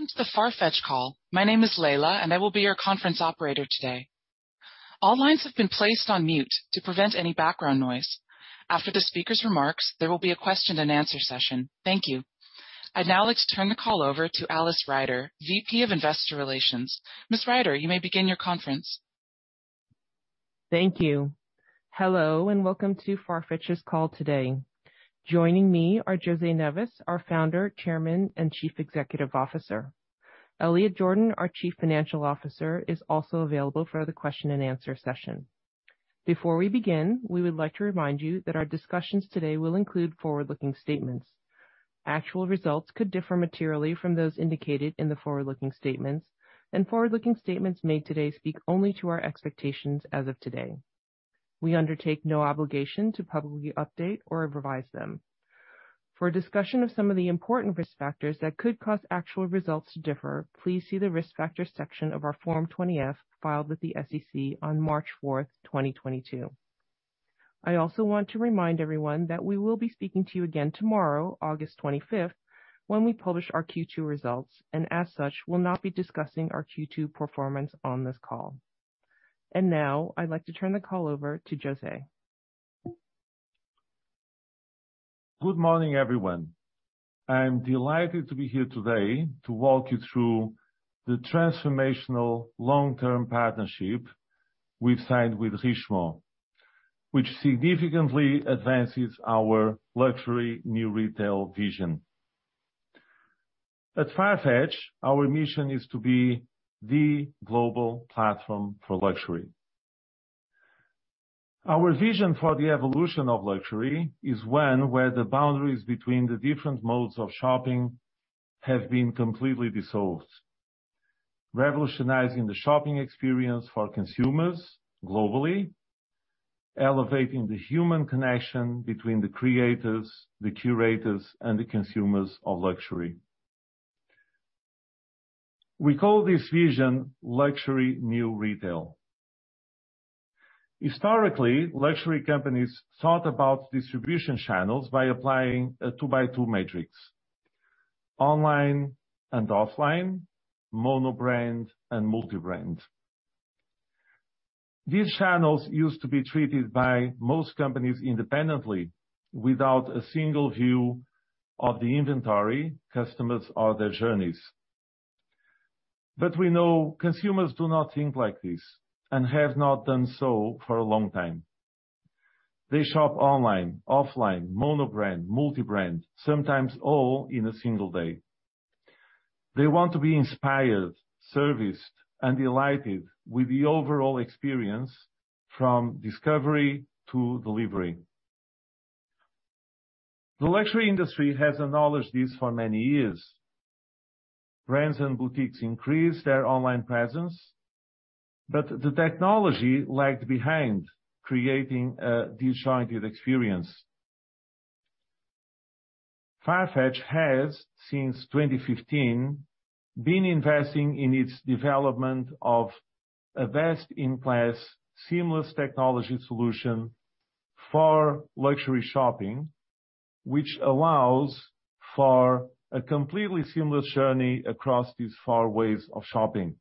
Welcome to the Farfetch call. My name is Layla and I will be your conference operator today. All lines have been placed on mute to prevent any background noise. After the speaker's remarks, there will be a question and answer session. Thank you. I'd now like to turn the call over to Alice Ryder, VP of Investor Relations. Ms. Ryder, you may begin your conference. Thank you. Hello, and welcome to Farfetch's call today. Joining me are José Neves, our Founder, Chairman, and Chief Executive Officer. Elliot Jordan, our Chief Financial Officer, is also available for the question and answer session. Before we begin, we would like to remind you that our discussions today will include forward-looking statements. Actual results could differ materially from those indicated in the forward-looking statements, and forward-looking statements made today speak only to our expectations as of today. We undertake no obligation to publicly update or revise them. For a discussion of some of the important risk factors that could cause actual results to differ, please see the Risk Factors section of our Form 20-F filed with the SEC on March 4th, 2022. I also want to remind everyone that we will be speaking to you again tomorrow, August 25th, when we publish our Q2 results, and as such, will not be discussing our Q2 performance on this call. Now, I'd like to turn the call over to José. Good morning, everyone. I'm delighted to be here today to walk you through the transformational long-term partnership we've signed with Richemont, which significantly advances our luxury new retail vision. At Farfetch, our mission is to be the global platform for luxury. Our vision for the evolution of luxury is one where the boundaries between the different modes of shopping have been completely dissolved, revolutionizing the shopping experience for consumers globally, elevating the human connection between the creators, the curators, and the consumers of luxury. We call this vision luxury new retail. Historically, luxury companies thought about distribution channels by applying a two-by-two matrix, online and offline, mono brand and multi-brand. These channels used to be treated by most companies independently without a single view of the inventory, customers, or their journeys. We know consumers do not think like this and have not done so for a long time. They shop online, offline, mono brand, multi-brand, sometimes all in a single day. They want to be inspired, serviced, and delighted with the overall experience from discovery to delivery. The luxury industry has acknowledged this for many years. Brands and boutiques increased their online presence, but the technology lagged behind, creating a disjointed experience. Farfetch has, since 2015, been investing in its development of a best-in-class seamless technology solution for luxury shopping, which allows for a completely seamless journey across these various ways of shopping,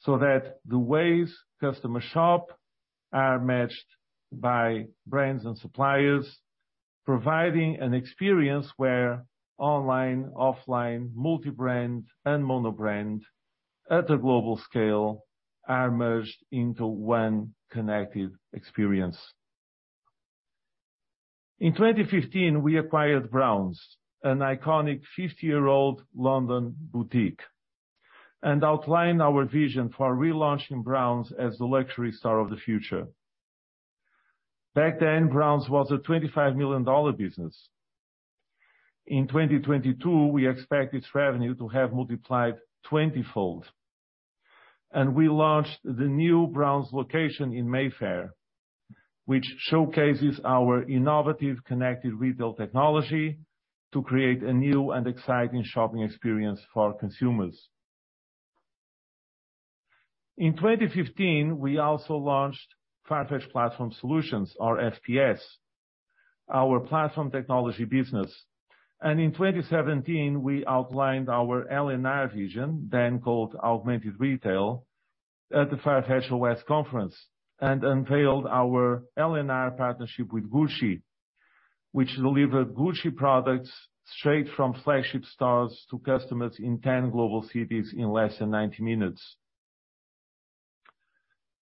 so that the ways customers shop are matched by brands and suppliers, providing an experience where online, offline, multi-brand, and mono brand at a global scale are merged into one connected experience. In 2015, we acquired Browns, an iconic 50-year-old London boutique, and outlined our vision for relaunching Browns as the luxury store of the future. Back then, Browns was a $25 million business. In 2022, we expect its revenue to have multiplied twentyfold. We launched the new Browns location in Mayfair, which showcases our innovative, connected retail technology to create a new and exciting shopping experience for consumers. In 2015, we also launched Farfetch Platform Solutions or FPS, our platform technology business. In 2017, we outlined our LNR vision, then called Augmented Retail, at the Farfetch OS conference, and unveiled our LNR partnership with Gucci, which delivered Gucci products straight from flagship stores to customers in 10 global cities in less than 90 minutes.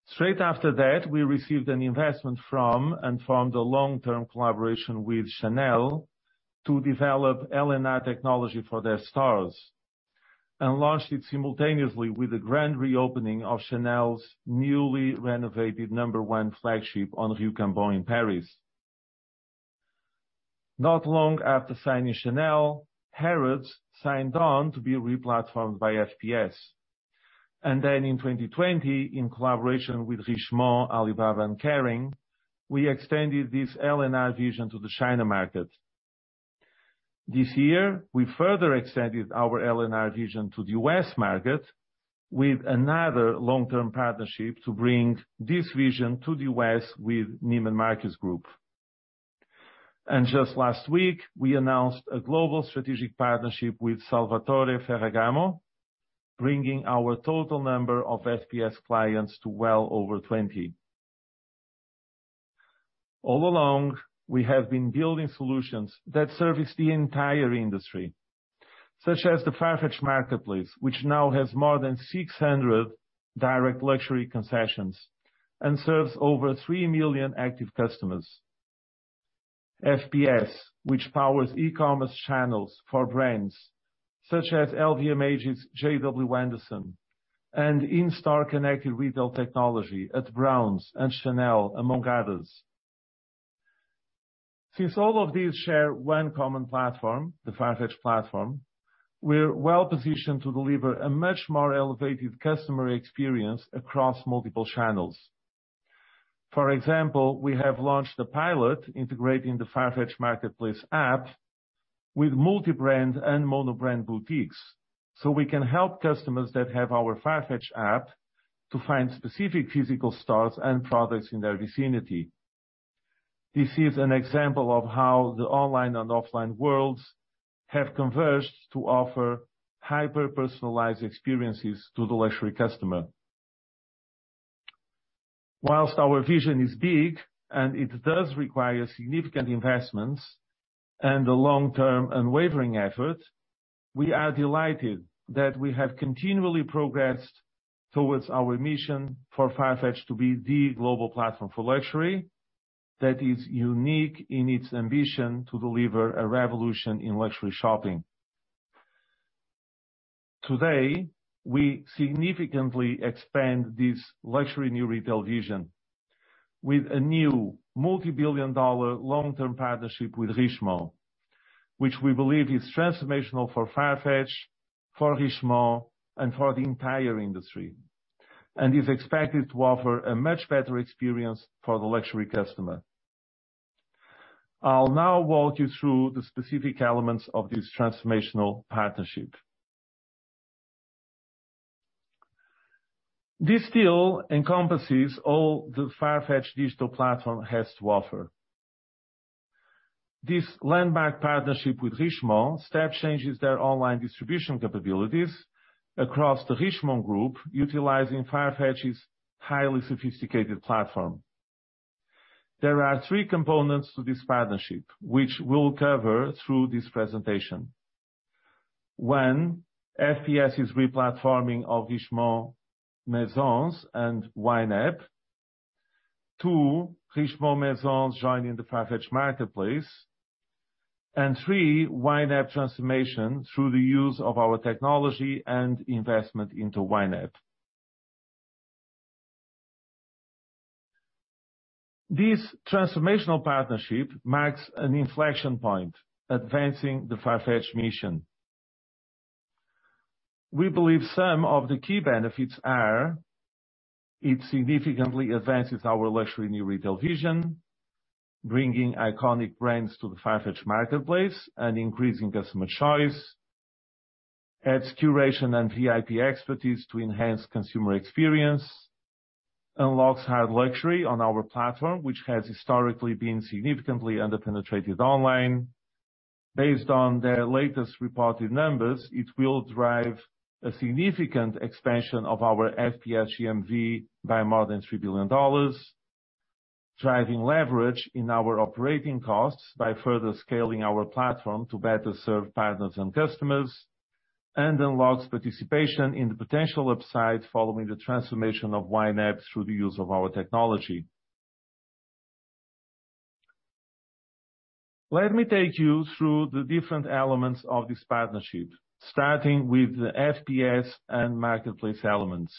Straight after that, we received an investment from and formed a long-term collaboration with Chanel to develop LNR technology for their stores, and launched it simultaneously with the grand reopening of Chanel's newly renovated number one flagship on Rue Cambon in Paris. Not long after signing Chanel, Harrods signed on to be replatformed by FPS. In 2020, in collaboration with Richemont, Alibaba, and Kering, we extended this LNR vision to the China market. This year, we further extended our LNR vision to the U.S. market with another long-term partnership to bring this vision to the U.S. with Neiman Marcus Group. Just last week, we announced a global strategic partnership with Salvatore Ferragamo, bringing our total number of FPS clients to well over 20. All along, we have been building solutions that service the entire industry, such as the Farfetch Marketplace, which now has more than 600 direct luxury concessions and serves over 3 million active customers. FPS, which powers e-commerce channels for brands such as LVMH's JW Anderson and in-store connected retail technology at Browns and Chanel, among others. Since all of these share one common platform, the Farfetch platform, we're well-positioned to deliver a much more elevated customer experience across multiple channels. For example, we have launched a pilot integrating the Farfetch Marketplace app with multi-brand and mono-brand boutiques, so we can help customers that have our Farfetch app to find specific physical stores and products in their vicinity. This is an example of how the online and offline worlds have converged to offer hyper-personalized experiences to the luxury customer. While our vision is big and it does require significant investments and a long-term unwavering effort, we are delighted that we have continually progressed towards our mission for Farfetch to be the global platform for luxury that is unique in its ambition to deliver a revolution in luxury shopping. Today, we significantly expand this luxury new retail vision with a new multi-billion-dollar long-term partnership with Richemont, which we believe is transformational for Farfetch, for Richemont, and for the entire industry, and is expected to offer a much better experience for the luxury customer. I'll now walk you through the specific elements of this transformational partnership. This deal encompasses all the Farfetch digital platform has to offer. This landmark partnership with Richemont step changes their online distribution capabilities across the Richemont group, utilizing Farfetch's highly sophisticated platform. There are three components to this partnership, which we'll cover through this presentation. One, FPS's re-platforming of Richemont Maisons and YNAP. Two, Richemont Maisons joining the Farfetch Marketplace. Three, YNAP transformation through the use of our technology and investment into YNAP. This transformational partnership marks an inflection point, advancing the Farfetch mission. We believe some of the key benefits are. It significantly advances our luxury new retail vision, bringing iconic brands to the Farfetch Marketplace and increasing customer choice, adds curation and VIP expertise to enhance consumer experience, unlocks hard luxury on our platform, which has historically been significantly under-penetrated online. Based on their latest reported numbers, it will drive a significant expansion of our FPS GMV by more than $3 billion, driving leverage in our operating costs by further scaling our platform to better serve partners and customers, and unlocks participation in the potential upside following the transformation of YNAP through the use of our technology. Let me take you through the different elements of this partnership, starting with the FPS and marketplace elements.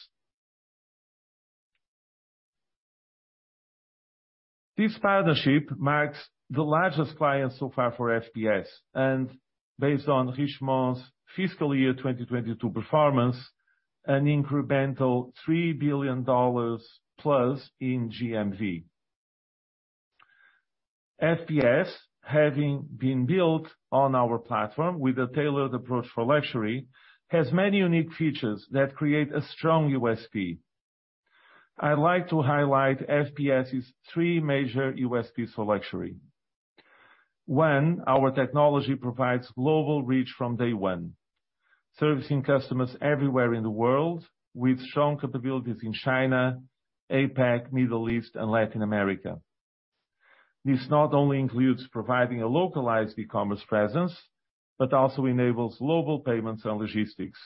This partnership marks the largest client so far for FPS, and based on Richemont's fiscal year 2022 performance, an incremental $3 billion plus in GMV. FPS, having been built on our platform with a tailored approach for luxury, has many unique features that create a strong USP. I'd like to highlight FPS' three major USPs for luxury. One, our technology provides global reach from day one, servicing customers everywhere in the world with strong capabilities in China, APAC, Middle East, and Latin America. This not only includes providing a localized e-commerce presence, but also enables global payments and logistics.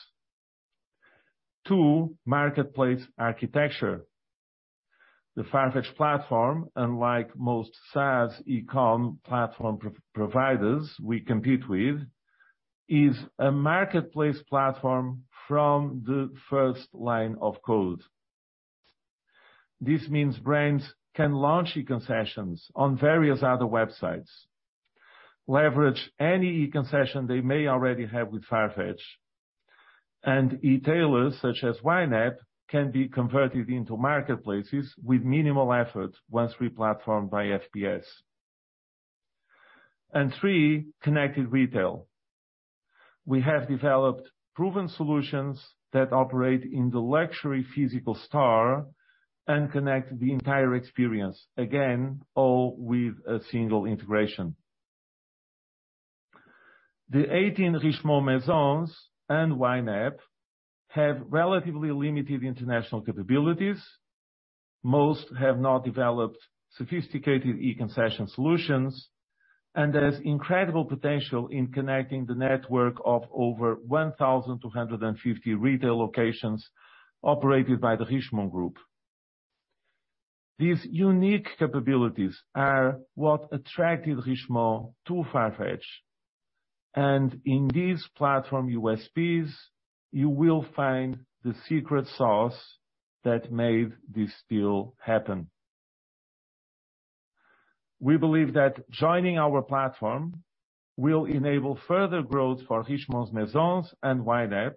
Two, marketplace architecture. The Farfetch platform, unlike most SaaS e-com platform providers we compete with, is a marketplace platform from the first line of code. This means brands can launch e-concessions on various other websites, leverage any e-concession they may already have with Farfetch. E-tailers such as YNAP can be converted into marketplaces with minimal effort once re-platformed by FPS. Three, connected retail. We have developed proven solutions that operate in the luxury physical store and connect the entire experience. Again, all with a single integration. The 18 Richemont Maisons and YNAP have relatively limited international capabilities. Most have not developed sophisticated e-concession solutions, and there's incredible potential in connecting the network of over 1,250 retail locations operated by the Richemont Group. These unique capabilities are what attracted Richemont to Farfetch, and in these platform USPs, you will find the secret sauce that made this deal happen. We believe that joining our platform will enable further growth for Richemont's Maisons and YNAP,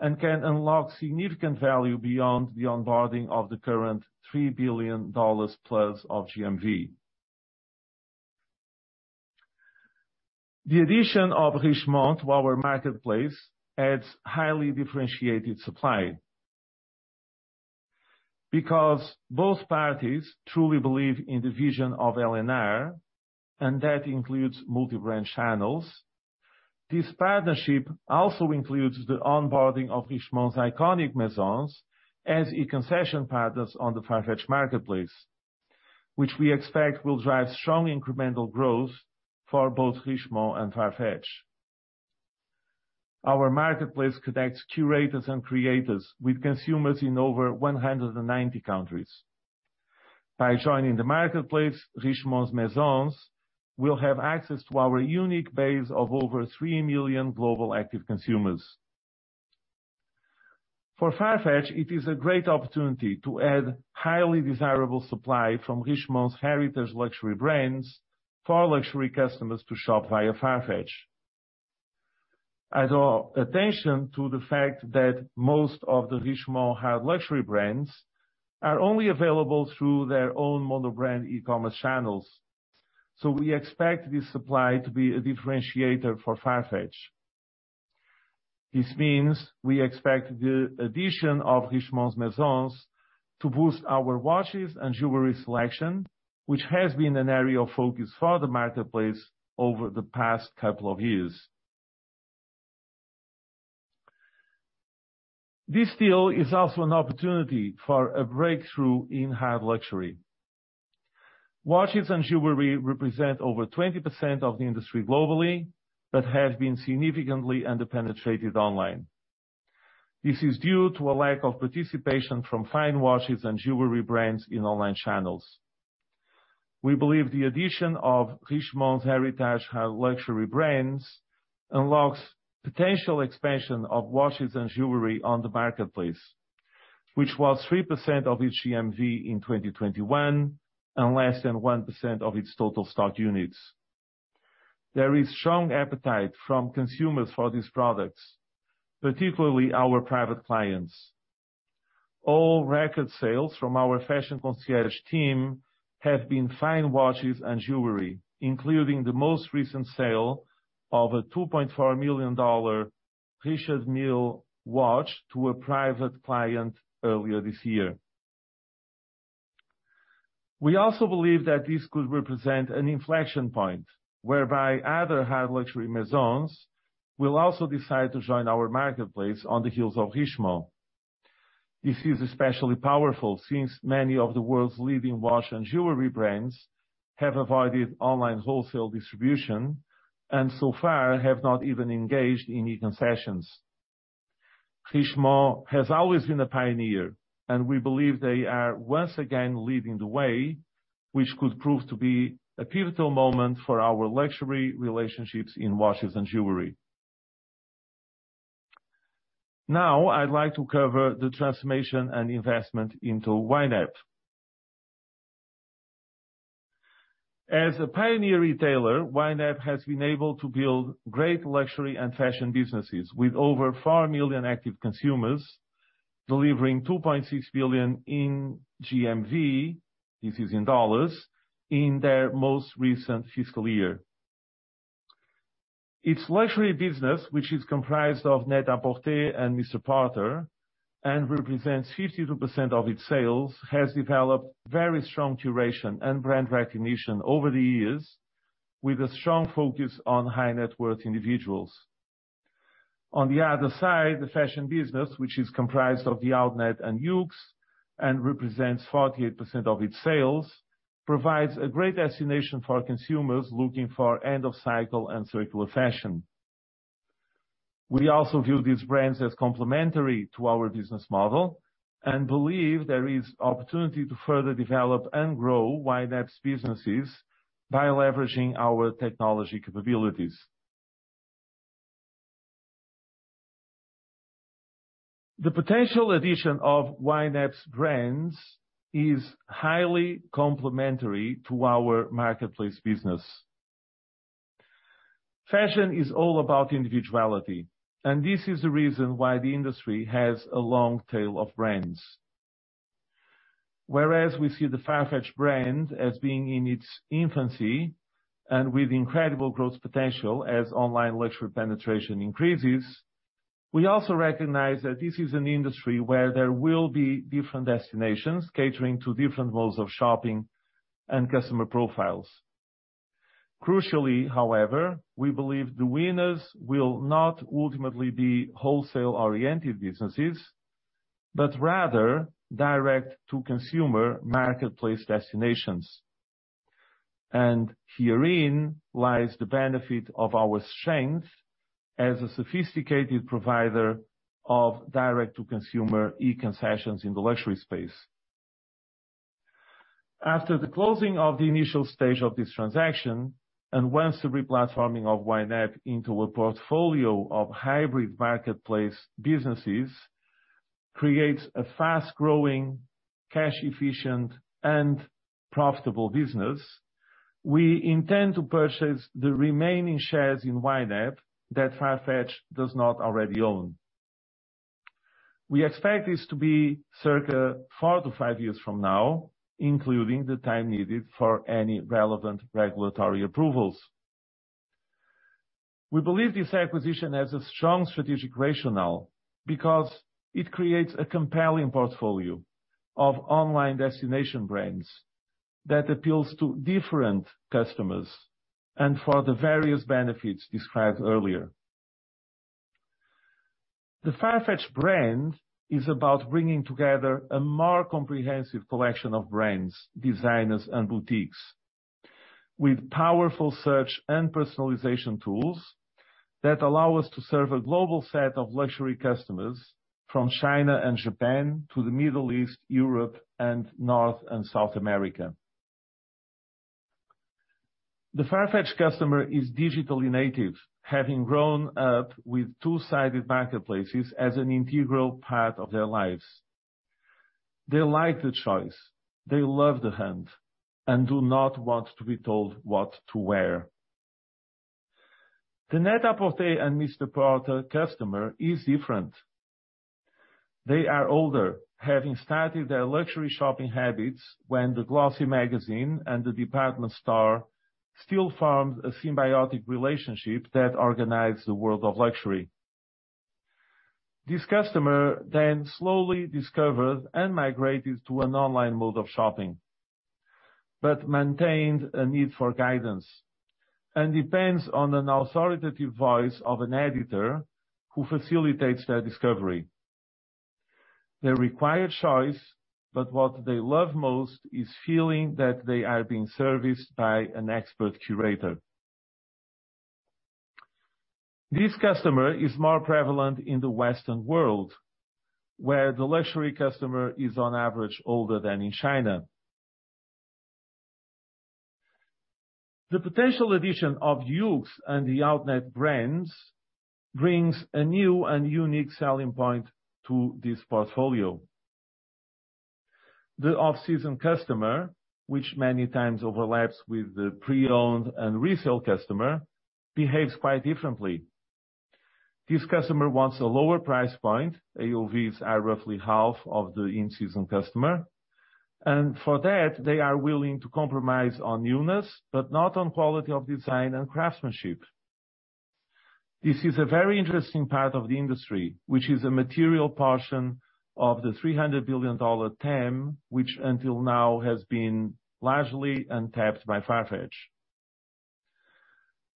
and can unlock significant value beyond the onboarding of the current $3 billion plus of GMV. The addition of Richemont to our marketplace adds highly differentiated supply. Because both parties truly believe in the vision of LNR, and that includes multi-brand channels. This partnership also includes the onboarding of Richemont's iconic Maisons as e-concession partners on the Farfetch Marketplace, which we expect will drive strong incremental growth for both Richemont and Farfetch. Our marketplace connects curators and creators with consumers in over 190 countries. By joining the marketplace, Richemont's Maisons will have access to our unique base of over three million global active consumers. For Farfetch, it is a great opportunity to add highly desirable supply from Richemont's heritage luxury brands for our luxury customers to shop via Farfetch. Pay attention to the fact that most of the Richemont hard luxury brands are only available through their own mono-brand e-commerce channels. We expect this supply to be a differentiator for Farfetch. This means we expect the addition of Richemont's Maisons to boost our watches and jewelry selection, which has been an area of focus for the marketplace over the past couple of years. This deal is also an opportunity for a breakthrough in hard luxury. Watches and jewelry represent over 20% of the industry globally, but have been significantly under-penetrated online. This is due to a lack of participation from fine watches and jewelry brands in online channels. We believe the addition of Richemont's heritage hard luxury brands unlocks potential expansion of watches and jewelry on the marketplace, which was 3% of its GMV in 2021 and less than 1% of its total stock units. There is strong appetite from consumers for these products, particularly our private clients. All record sales from our Fashion Concierge team have been fine watches and jewelry, including the most recent sale of a $2.4 million Richard Mille watch to a private client earlier this year. We also believe that this could represent an inflection point whereby other hard luxury Maisons will also decide to join our marketplace on the heels of Richemont. This is especially powerful since many of the world's leading watch and jewelry brands have avoided online wholesale distribution and so far have not even engaged in e-concessions. Richemont has always been a pioneer, and we believe they are once again leading the way, which could prove to be a pivotal moment for our luxury relationships in watches and jewelry. Now, I'd like to cover the transformation and investment into YNAP. As a pioneer retailer, YNAP has been able to build great luxury and fashion businesses with over 4 million active consumers, delivering $2.6 billion in GMV, this is in dollars, in their most recent fiscal year. Its luxury business, which is comprised of NET-A-PORTER and MR PORTER, and represents 52% of its sales, has developed very strong curation and brand recognition over the years, with a strong focus on high-net-worth individuals. On the other side, the fashion business, which is comprised of THE OUTNET and YOOX, and represents 48% of its sales, provides a great destination for consumers looking for end-of-cycle and circular fashion. We also view these brands as complementary to our business model and believe there is opportunity to further develop and grow YNAP's businesses by leveraging our technology capabilities. The potential addition of YNAP's brands is highly complementary to our marketplace business. Fashion is all about individuality, and this is the reason why the industry has a long tail of brands. Whereas we see the Farfetch brand as being in its infancy and with incredible growth potential as online luxury penetration increases, we also recognize that this is an industry where there will be different destinations catering to different modes of shopping and customer profiles. Crucially, however, we believe the winners will not ultimately be wholesale-oriented businesses, but rather direct-to-consumer marketplace destinations. Herein lies the benefit of our strength as a sophisticated provider of direct-to-consumer e-concessions in the luxury space. After the closing of the initial stage of this transaction, and once the re-platforming of YNAP into a portfolio of hybrid marketplace businesses creates a fast-growing, cash efficient and profitable business, we intend to purchase the remaining shares in YNAP that Farfetch does not already own. We expect this to be circle 4-5 years from now, including the time needed for any relevant regulatory approvals. We believe this acquisition has a strong strategic rationale because it creates a compelling portfolio of online destination brands that appeals to different customers and for the various benefits described earlier. The Farfetch brand is about bringing together a more comprehensive collection of brands, designers, and boutiques with powerful search and personalization tools that allow us to serve a global set of luxury customers from China and Japan to the Middle East, Europe, and North and South America. The Farfetch customer is digitally native, having grown up with two-sided marketplaces as an integral part of their lives. They like the choice, they love the hunt, and do not want to be told what to wear. The NET-A-PORTER and MR PORTER customer is different. They are older, having started their luxury shopping habits when the glossy magazine and the department store still formed a symbiotic relationship that organized the world of luxury. This customer then slowly discovered and migrated to an online mode of shopping, but maintained a need for guidance and depends on an authoritative voice of an editor who facilitates their discovery. They require choice, but what they love most is feeling that they are being serviced by an expert curator. This customer is more prevalent in the Western world, where the luxury customer is on average older than in China. The potential addition of YOOX and THE OUTNET brands brings a new and unique selling point to this portfolio. The off-season customer, which many times overlaps with the pre-owned and resale customer, behaves quite differently. This customer wants a lower price point. AOVs are roughly half of the in-season customer, and for that, they are willing to compromise on newness, but not on quality of design and craftsmanship. This is a very interesting part of the industry, which is a material portion of the $300 billion TAM, which until now has been largely untapped by Farfetch.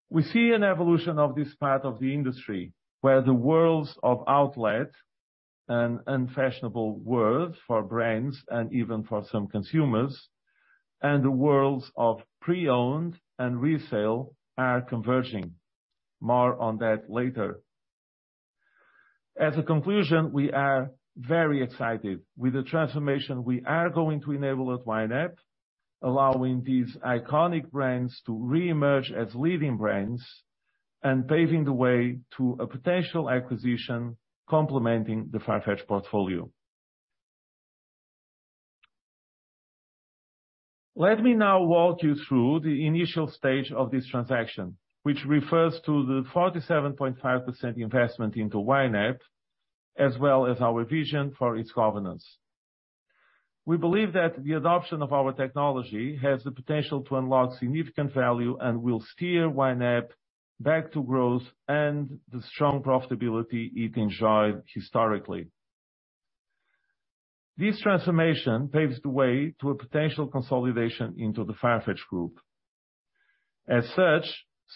We see an evolution of this part of the industry where the worlds of outlet and unfashionable world for brands and even for some consumers, and the worlds of pre-owned and resale are converging. More on that later. As a conclusion, we are very excited with the transformation we are going to enable at YNAP, allowing these iconic brands to reemerge as leading brands and paving the way to a potential acquisition complementing the Farfetch portfolio. Let me now walk you through the initial stage of this transaction, which refers to the 47.5% investment into YNAP, as well as our vision for its governance. We believe that the adoption of our technology has the potential to unlock significant value and will steer YNAP back to growth and the strong profitability it enjoyed historically. This transformation paves the way to a potential consolidation into the Farfetch Group. As such,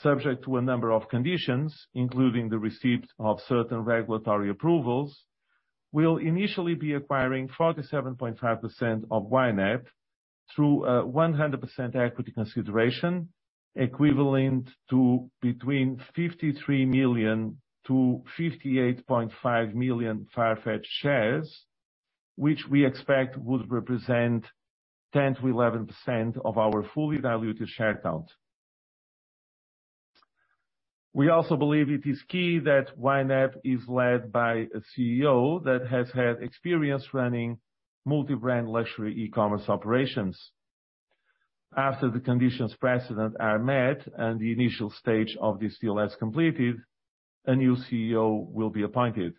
subject to a number of conditions, including the receipt of certain regulatory approvals, we'll initially be acquiring 47.5% of YNAP through a 100% equity consideration equivalent to between 53 million-58.5 million Farfetch shares, which we expect would represent 10%-11% of our fully diluted share count. We also believe it is key that YNAP is led by a CEO that has had experience running multi-brand luxury e-commerce operations. After the conditions precedent are met and the initial stage of this deal is completed, a new CEO will be appointed.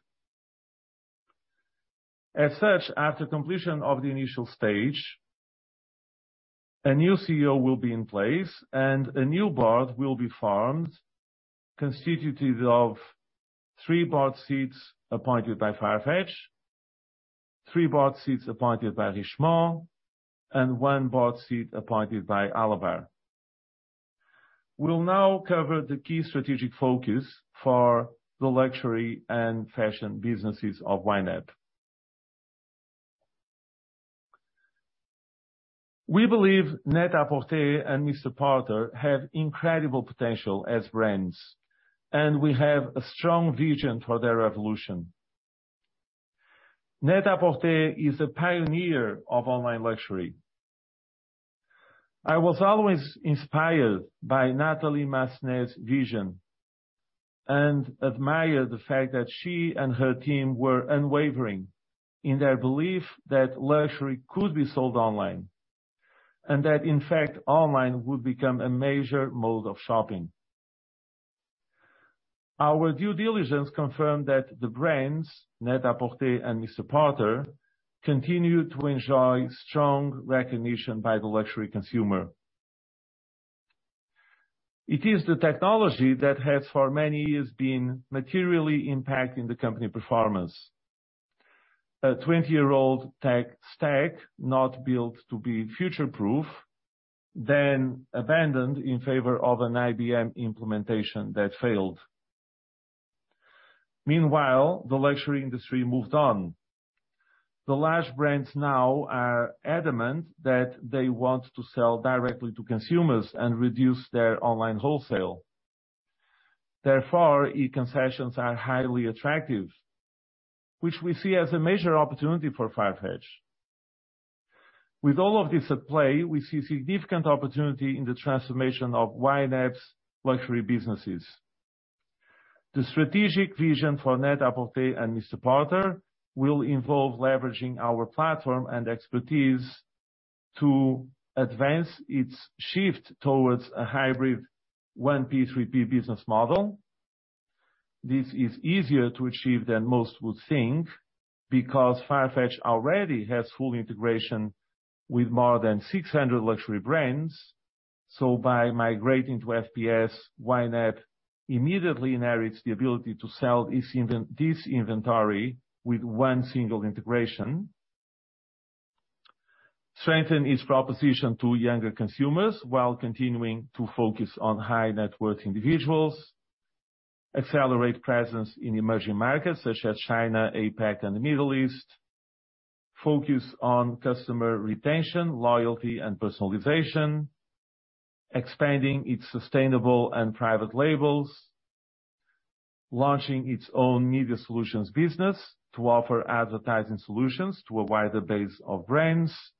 As such, after completion of the initial stage, a new CEO will be in place and a new board will be formed, constituted of three board seats appointed by Farfetch, three board seats appointed by Richemont, and one board seat appointed by Alibaba. We'll now cover the key strategic focus for the luxury and fashion businesses of YNAP. We believe NET-A-PORTER and MR PORTER have incredible potential as brands, and we have a strong vision for their evolution. NET-A-PORTER is a pioneer of online luxury. I was always inspired by Natalie Massenet's vision and admire the fact that she and her team were unwavering in their belief that luxury could be sold online, and that in fact online would become a major mode of shopping. Our due diligence confirmed that the brands, NET-A-PORTER and MR PORTER, continue to enjoy strong recognition by the luxury consumer. It is the technology that has, for many years, been materially impacting the company performance. A 20-year-old tech stack not built to be future-proof, then abandoned in favor of an IBM implementation that failed. Meanwhile, the luxury industry moved on. The large brands now are adamant that they want to sell directly to consumers and reduce their online wholesale. Therefore, e-concessions are highly attractive, which we see as a major opportunity for Farfetch. With all of this at play, we see significant opportunity in the transformation of YNAP's luxury businesses. The strategic vision for NET-A-PORTER and MR PORTER will involve leveraging our platform and expertise to advance its shift towards a hybrid 1P, 3P business model. This is easier to achieve than most would think, because Farfetch already has full integration with more than 600 luxury brands. By migrating to FPS, YNAP immediately inherits the ability to sell this inventory with one single integration. Strengthen its proposition to younger consumers while continuing to focus on high net worth individuals. Accelerate presence in emerging markets such as China, APAC, and the Middle East. Focus on customer retention, loyalty, and personalization. Expanding its sustainable and private labels. Launching its own media solutions business to offer advertising solutions to a wider base of brands,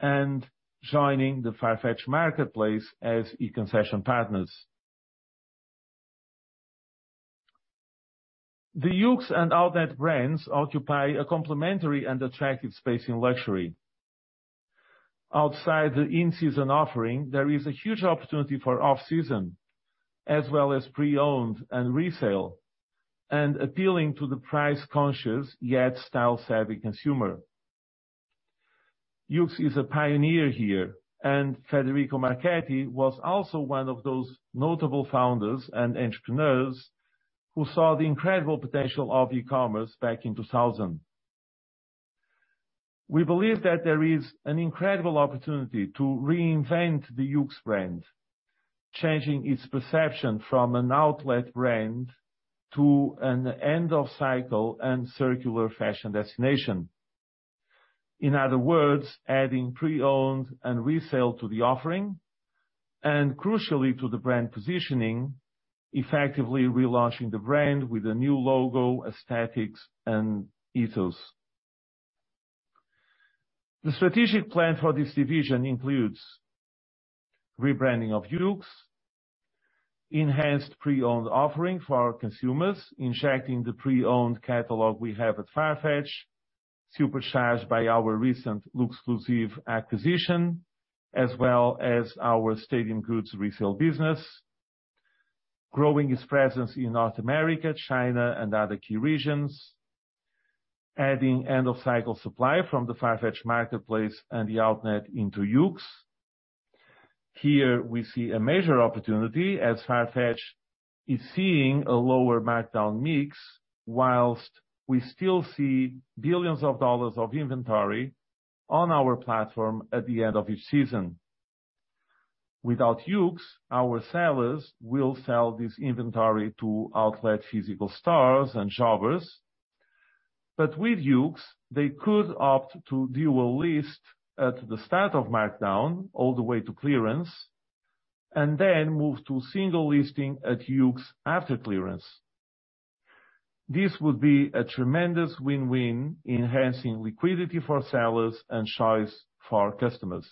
and joining the Farfetch Marketplace as e-concession partners. The YOOX and THE OUTNET brands occupy a complementary and attractive space in luxury. Outside the in-season offering, there is a huge opportunity for off-season, as well as pre-owned and resale, and appealing to the price-conscious, yet style-savvy consumer. YOOX is a pioneer here, and Federico Marchetti was also one of those notable founders and entrepreneurs who saw the incredible potential of e-commerce back in 2000. We believe that there is an incredible opportunity to reinvent the YOOX brand, changing its perception from an outlet brand to an end-of-cycle and circular fashion destination. In other words, adding pre-owned and resale to the offering, and crucially to the brand positioning, effectively relaunching the brand with a new logo, aesthetics, and ethos. The strategic plan for this division includes rebranding of YOOX, enhanced pre-owned offering for our consumers, injecting the pre-owned catalog we have at Farfetch, supercharged by our recent Luxclusif acquisition, as well as our Stadium Goods resale business. Growing its presence in North America, China, and other key regions. Adding end-of-cycle supply from the Farfetch Marketplace and THE OUTNET into YOOX. Here we see a major opportunity as Farfetch is seeing a lower markdown mix while we still see billions of dollars of inventory on our platform at the end of each season. Without YOOX, our sellers will sell this inventory to outlet physical stores and jobbers. With YOOX, they could opt to dual list at the start of markdown all the way to clearance, and then move to single listing at YOOX after clearance. This would be a tremendous win-win, enhancing liquidity for sellers and choice for our customers.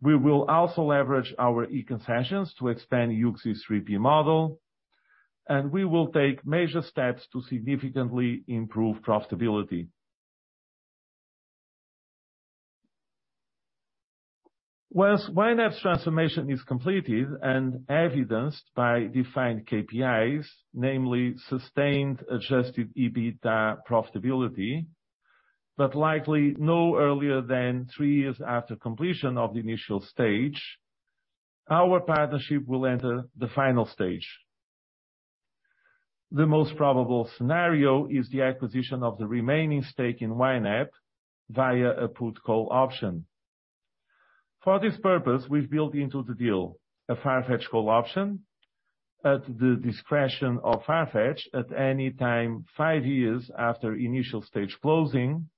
We will also leverage our e-concessions to expand YOOX's 3P model. We will take major steps to significantly improve profitability. Once YNAP's transformation is completed and evidenced by defined KPIs, namely sustained adjusted EBITDA profitability, but likely no earlier than three years after completion of the initial stage, our partnership will enter the final stage. The most probable scenario is the acquisition of the remaining stake in YNAP via a put call option. For this purpose, we've built into the deal a Farfetch call option at the discretion of Farfetch at any time, five years after initial stage closing,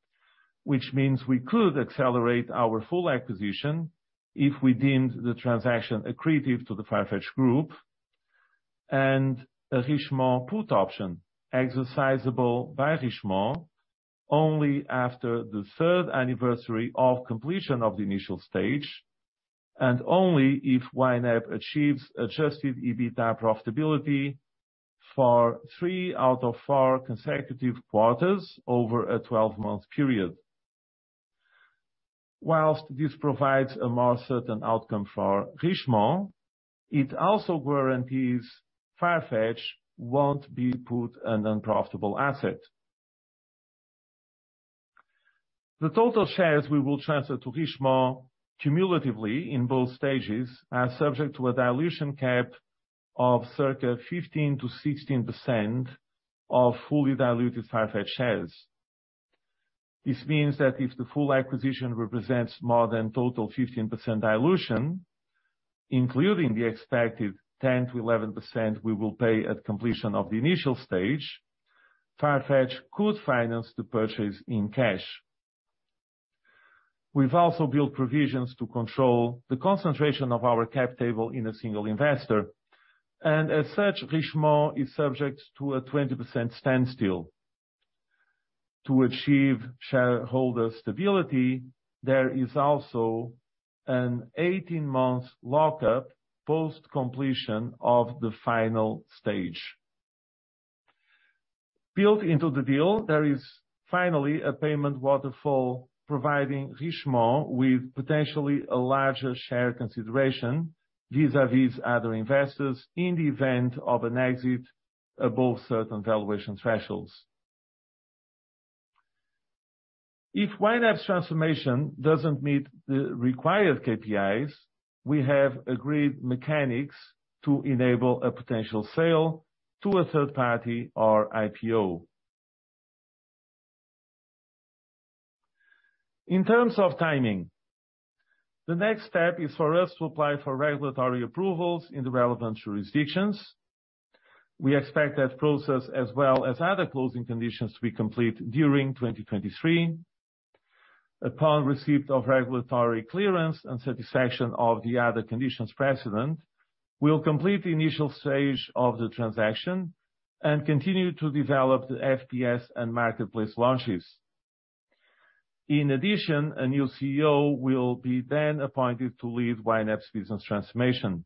which means we could accelerate our full acquisition if we deemed the transaction accretive to the Farfetch Group. A Richemont put option exercisable by Richemont only after the third anniversary of completion of the initial stage, and only if YNAP achieves adjusted EBITDA profitability for three out of four consecutive quarters over a 12-month period. While this provides a more certain outcome for Richemont, it also guarantees Farfetch won't be put an unprofitable asset. The total shares we will transfer to Richemont cumulatively in both stages are subject to a dilution cap of circa 15%-16% of fully diluted Farfetch shares. This means that if the full acquisition represents more than total 15% dilution, including the expected 10%-11% we will pay at completion of the initial stage, Farfetch could finance the purchase in cash. We've also built provisions to control the concentration of our cap table in a single investor, and as such, Richemont is subject to a 20% standstill. To achieve shareholder stability, there is also an 18-month lockup post completion of the final stage. Built into the deal, there is finally a payment waterfall providing Richemont with potentially a larger share consideration vis-a-vis other investors in the event of an exit above certain valuation thresholds. If YNAP's transformation doesn't meet the required KPIs, we have agreed mechanics to enable a potential sale to a third party or IPO. In terms of timing, the next step is for us to apply for regulatory approvals in the relevant jurisdictions. We expect that process as well as other closing conditions to be complete during 2023. Upon receipt of regulatory clearance and satisfaction of the other conditions precedent, we'll complete the initial stage of the transaction and continue to develop the FPS and marketplace launches. In addition, a new CEO will be then appointed to lead YNAP's business transformation.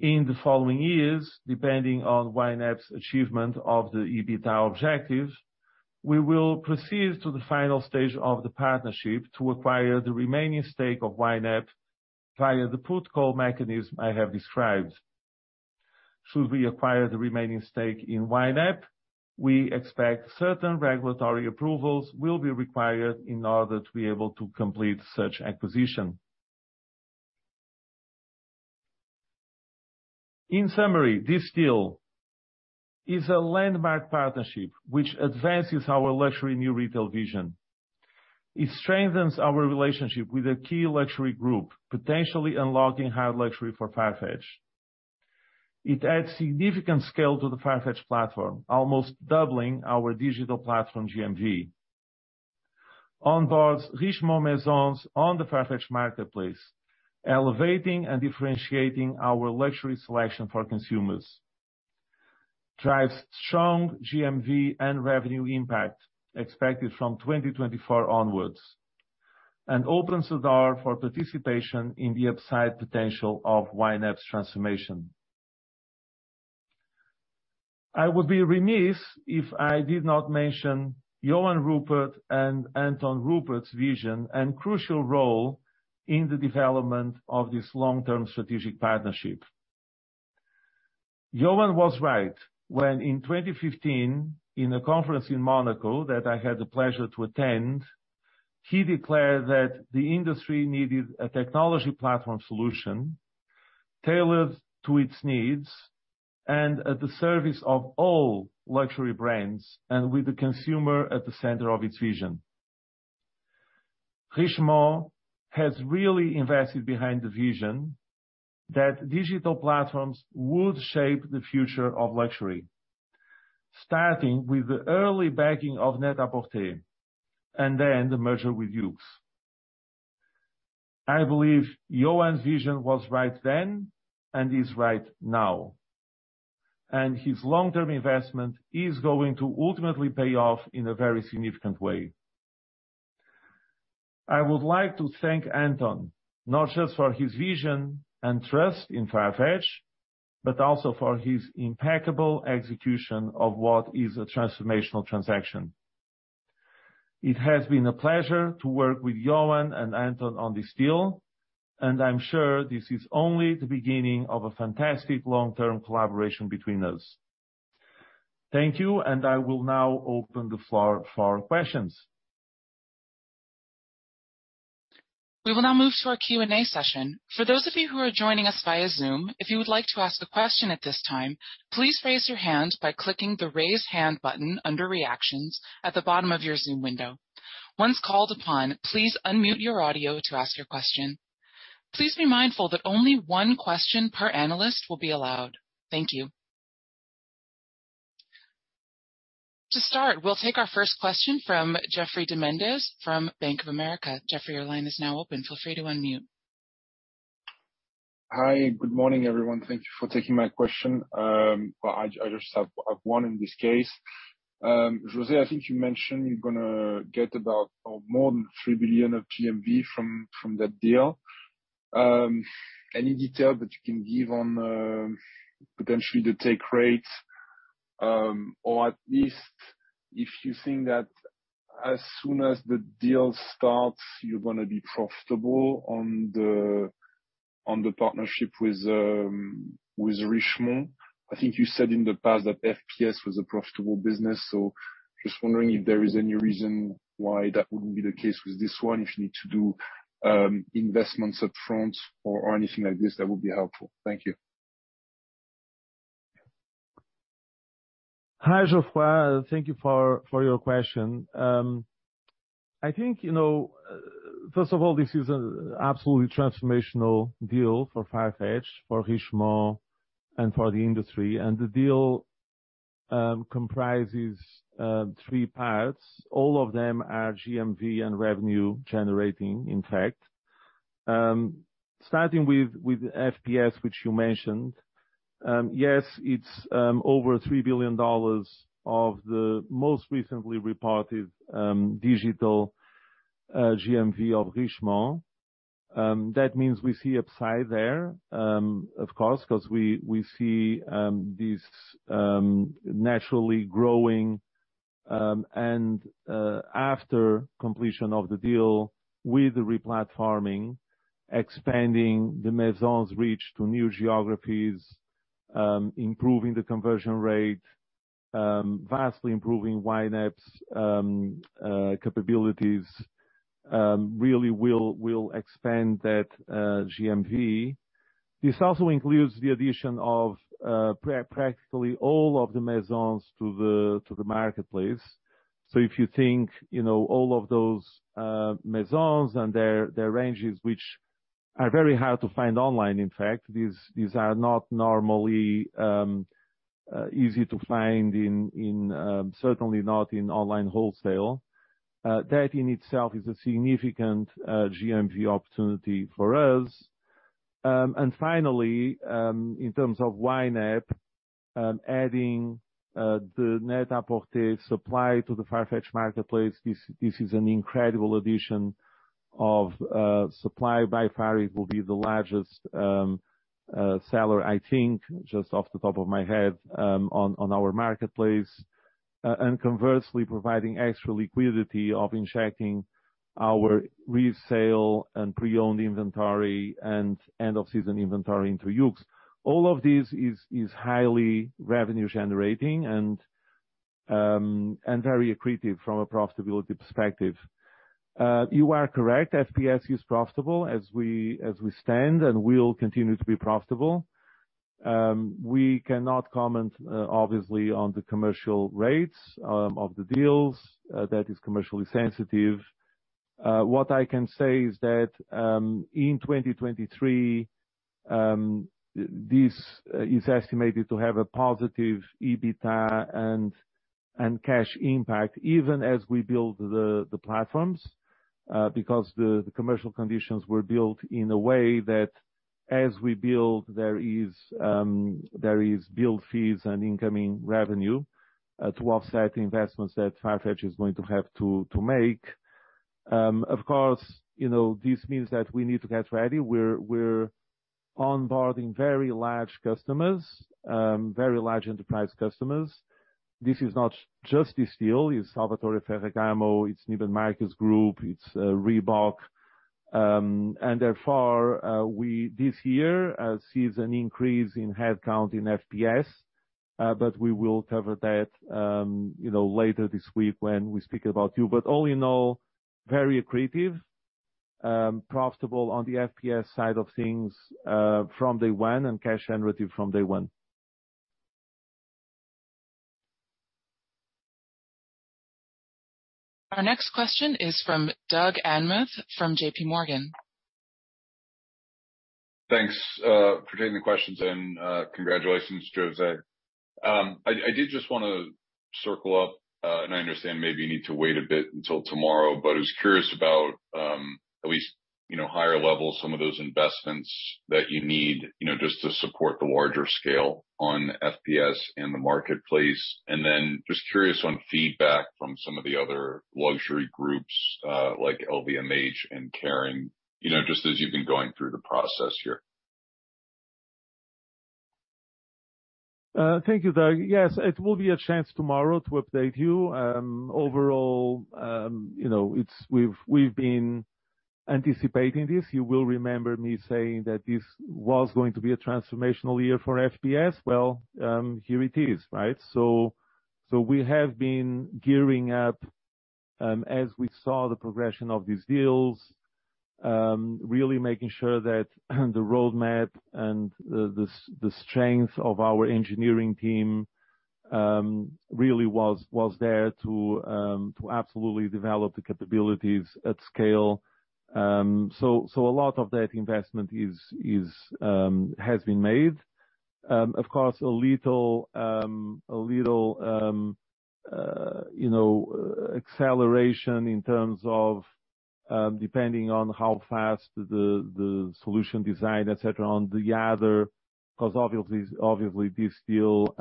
In the following years, depending on YNAP's achievement of the EBITDA objectives, we will proceed to the final stage of the partnership to acquire the remaining stake of YNAP via the put call mechanism I have described. Should we acquire the remaining stake in YNAP, we expect certain regulatory approvals will be required in order to be able to complete such acquisition. In summary, this deal is a landmark partnership which advances our luxury new retail vision. It strengthens our relationship with a key luxury group, potentially unlocking hard luxury for Farfetch. It adds significant scale to the Farfetch platform, almost doubling our digital platform GMV. Onboards Richemont Maisons on the Farfetch marketplace, elevating and differentiating our luxury selection for consumers. Drives strong GMV and revenue impact expected from 2024 onwards, and opens the door for participation in the upside potential of YNAP's transformation. I would be remiss if I did not mention Johann Rupert and Anton Rupert's vision and crucial role in the development of this long-term strategic partnership. Johann was right when in 2015, in a conference in Monaco that I had the pleasure to attend, he declared that the industry needed a technology platform solution tailored to its needs and at the service of all luxury brands and with the consumer at the center of its vision. Richemont has really invested behind the vision that digital platforms would shape the future of luxury, starting with the early backing of NET-A-PORTER and then the merger with YOOX. I believe Johann's vision was right then and is right now, and his long-term investment is going to ultimately pay off in a very significant way. I would like to thank Anton, not just for his vision and trust in Farfetch, but also for his impeccable execution of what is a transformational transaction. It has been a pleasure to work with Johann and Anton on this deal, and I'm sure this is only the beginning of a fantastic long-term collaboration between us. Thank you, and I will now open the floor for questions. We will now move to our Q&A session. For those of you who are joining us via Zoom, if you would like to ask a question at this time, please raise your hands by clicking the Raise Hand button under Reactions at the bottom of your Zoom window. Once called upon, please unmute your audio to ask your question. Please be mindful that only one question per analyst will be allowed. Thank you. To start, we'll take our first question from Geoffroy de Mendez from Bank of America. Geoffrey, your line is now open. Feel free to unmute. Hi, good morning, everyone. Thank you for taking my question. Well, I just have one in this case. José, I think you mentioned you're gonna get about or more than $3 billion of GMV from that deal. Any detail that you can give on potentially the take rates, or at least if you think that as soon as the deal starts, you're gonna be profitable on the partnership with Richemont. I think you said in the past that FPS was a profitable business. Just wondering if there is any reason why that wouldn't be the case with this one, if you need to do investments up front or anything like this that would be helpful. Thank you. Hi, Geoffroy. Thank you for your question. I think, you know, first of all, this is an absolutely transformational deal for Farfetch, for Richemont and for the industry. The deal comprises three parts. All of them are GMV and revenue generating, in fact. Starting with FPS, which you mentioned, yes, it's over $3 billion of the most recently reported digital GMV of Richemont. That means we see upside there, of course, 'cause we see this naturally growing. After completion of the deal with the replatforming, expanding the Maisons' reach to new geographies, improving the conversion rate, vastly improving YNAP's capabilities, really will expand that GMV. This also includes the addition of practically all of the Maisons to the marketplace. If you think, you know, all of those Maisons and their ranges, which are very hard to find online. In fact, these are not normally easy to find in, certainly not in online wholesale. That in itself is a significant GMV opportunity for us. Finally, in terms of YNAP, adding the NET-A-PORTER supply to the Farfetch Marketplace, this is an incredible addition of supply. By far, it will be the largest seller, I think, just off the top of my head, on our marketplace. Conversely, providing extra liquidity of injecting our resale and pre-owned inventory and end of season inventory into YOOX. All of this is highly revenue generating and very accretive from a profitability perspective. You are correct, FPS is profitable as we stand and will continue to be profitable. We cannot comment, obviously, on the commercial rates of the deals. That is commercially sensitive. What I can say is that, in 2023, this is estimated to have a positive EBITDA and cash impact, even as we build the platforms, because the commercial conditions were built in a way that as we build there is build fees and incoming revenue to offset the investments that Farfetch is going to have to make. Of course, you know, this means that we need to get ready. We're onboarding very large customers, very large enterprise customers. This is not just this deal, it's Salvatore Ferragamo, it's Neiman Marcus Group, it's Reebok. Therefore, we this year sees an increase in head count in FPS, but we will cover that, you know, later this week when we speak about you. All in all, very accretive, profitable on the FPS side of things, from day one and cash generative from day one. Our next question is from Doug Anmuth from JPMorgan. Thanks for taking the questions and, congratulations, José. I did just wanna circle up, and I understand maybe you need to wait a bit until tomorrow, but I was curious about, you know, higher level, some of those investments that you need, you know, just to support the larger scale on FPS and the marketplace. Just curious on feedback from some of the other luxury groups, like LVMH and Kering, you know, just as you've been going through the process here. Thank you, Doug. Yes, it will be a chance tomorrow to update you. Overall, you know, we've been anticipating this. You will remember me saying that this was going to be a transformational year for FPS. Well, here it is, right? We have been gearing up, as we saw the progression of these deals, really making sure that the roadmap and the strength of our engineering team really was there to absolutely develop the capabilities at scale. A lot of that investment has been made. Of course, a little you know, acceleration in terms of, depending on how fast the solution design, et cetera, on the other. 'Cause obviously, this deal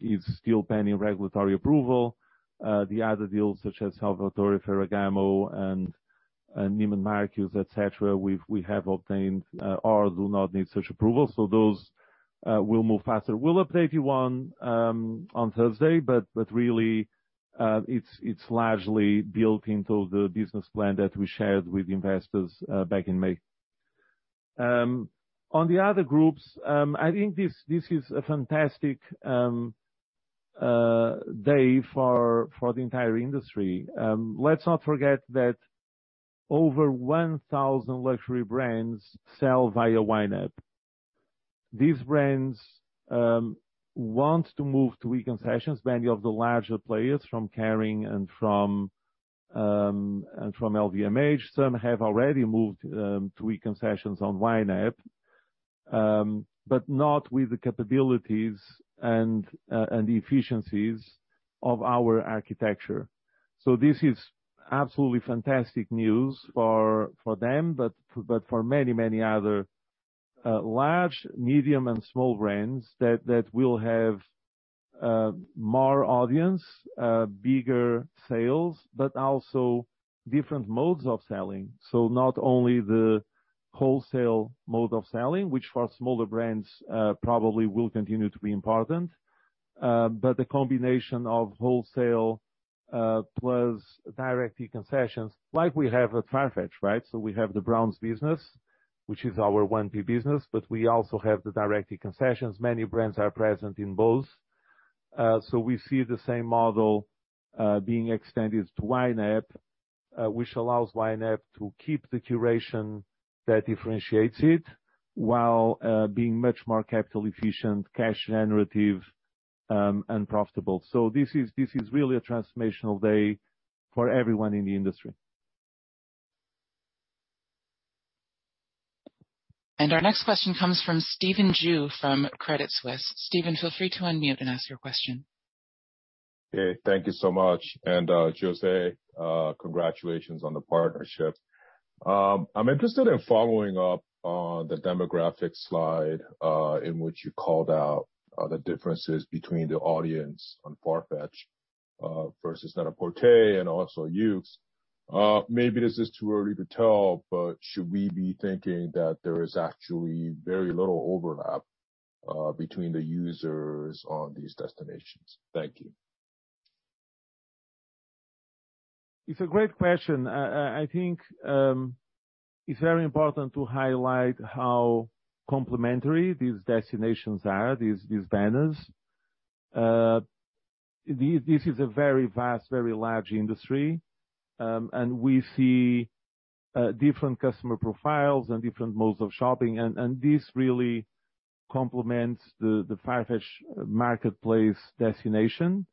is still pending regulatory approval. The other deals such as Salvatore Ferragamo and Neiman Marcus, et cetera, we have obtained or do not need such approval. Those will move faster. We'll update you on Thursday, but really, it's largely built into the business plan that we shared with investors back in May. On the other groups, I think this is a fantastic day for the entire industry. Let's not forget that over 1,000 luxury brands sell via YNAP. These brands want to move to e-concessions, many of the larger players from Kering and from LVMH. Some have already moved to e-concessions on YNAP, but not with the capabilities and the efficiencies of our architecture. This is absolutely fantastic news for them, but for many other large, medium, and small brands that will have more audience, bigger sales, but also different modes of selling. Not only the wholesale mode of selling, which for smaller brands probably will continue to be important, but the combination of wholesale plus direct e-concessions, like we have at Farfetch, right? We have the brands business, which is our 1P business, but we also have the direct e-concessions. Many brands are present in both. We see the same model being extended to YNAP, which allows YNAP to keep the curation that differentiates it while being much more capital efficient, cash generative, and profitable. This is really a transformational day for everyone in the industry. Our next question comes from Stephen Ju from Credit Suisse. Stephen, feel free to unmute and ask your question. Okay. Thank you so much. José, congratulations on the partnership. I'm interested in following up on the demographic slide, in which you called out the differences between the audience on Farfetch versus NET-A-PORTER and also YOOX. Maybe this is too early to tell, but should we be thinking that there is actually very little overlap between the users on these destinations? Thank you. It's a great question. I think it's very important to highlight how complementary these destinations are, these banners. This is a very vast, very large industry, and we see different customer profiles and different modes of shopping, and this really complements the Farfetch Marketplace destination.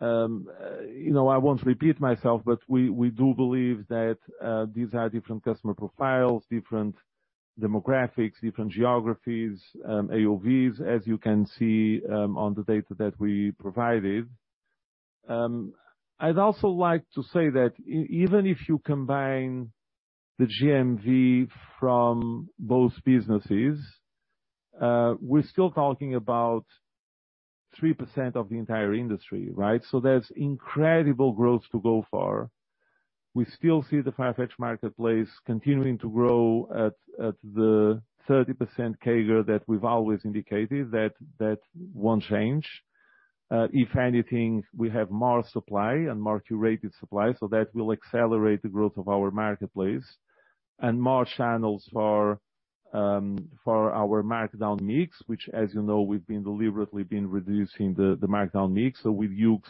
You know, I won't repeat myself, but we do believe that these are different customer profiles, different demographics, different geographies, AOVs, as you can see on the data that we provided. I'd also like to say that even if you combine the GMV from both businesses, we're still talking about 3% of the entire industry, right? There's incredible growth to go for. We still see the Farfetch Marketplace continuing to grow at the 30% CAGR that we've always indicated. That won't change. If anything, we have more supply and more curated supply, so that will accelerate the growth of our marketplace. More channels for our markdown mix, which, as you know, we've been deliberately reducing the markdown mix. With YOOX,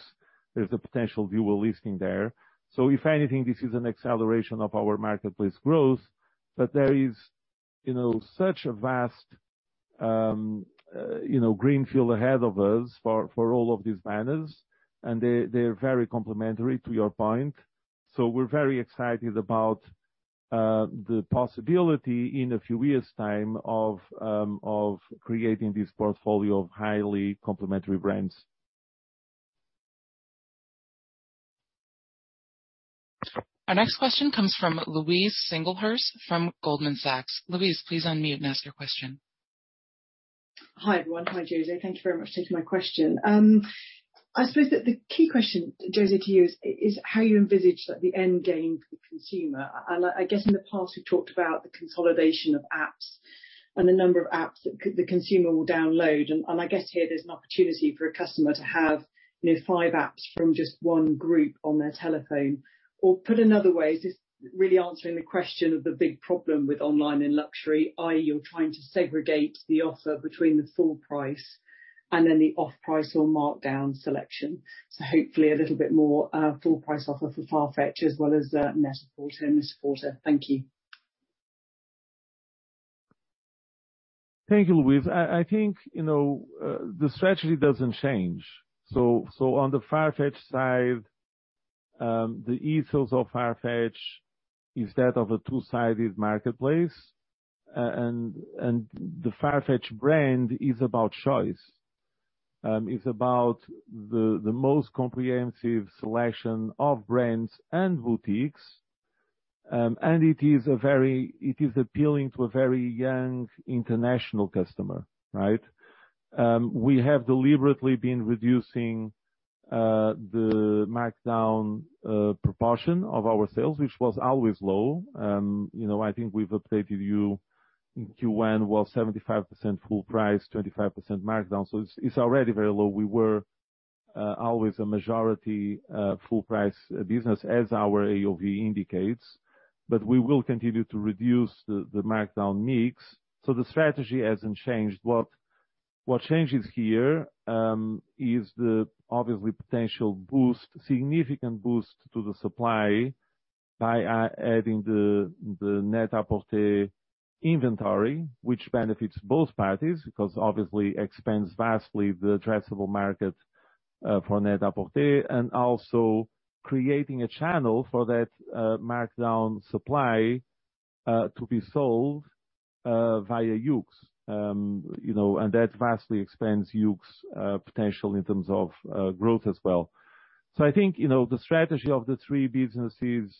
there's a potential for listing there. If anything, this is an acceleration of our marketplace growth, that there is, you know, such a vast, you know, greenfield ahead of us for all of these banners, and they're very complementary to your point. We're very excited about the possibility in a few years' time of creating this portfolio of highly complementary brands. Our next question comes from Louise Singlehurst from Goldman Sachs. Louise, please unmute and ask your question. Hi, everyone. Hi, José. Thank you very much for taking my question. I suppose that the key question, José, to you is how you envisage like the end game for the consumer. I guess in the past, we've talked about the consolidation of apps and the number of apps that the consumer will download. I guess here there's an opportunity for a customer to have, you know, five apps from just one group on their telephone. Or put another way, is this really answering the question of the big problem with online and luxury, i.e., you're trying to segregate the offer between the full price and then the off-price or markdown selection. Hopefully a little bit more full price offer for Farfetch as well as NET-A-PORTER and MR PORTER. Thank you. Thank you, Louise. I think, you know, the strategy doesn't change. On the Farfetch side, the ethos of Farfetch is that of a two-sided marketplace. And the Farfetch brand is about choice. It's about the most comprehensive selection of brands and boutiques. And it is appealing to a very young international customer, right? We have deliberately been reducing the markdown proportion of our sales, which was always low. You know, I think we've updated you in Q1 was 75% full price, 25% markdown, so it's already very low. We were always a majority full price business as our AOV indicates. We will continue to reduce the markdown mix. The strategy hasn't changed. What changes here is the obvious potential boost, significant boost to the supply by adding the NET-A-PORTER inventory, which benefits both parties because obviously expands vastly the addressable market for NET-A-PORTER, and also creating a channel for that markdown supply to be sold via YOOX. You know, and that vastly expands YOOX's potential in terms of growth as well. I think, you know, the strategy of the three businesses.